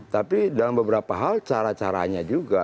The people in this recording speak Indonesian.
tapi dalam beberapa hal cara caranya juga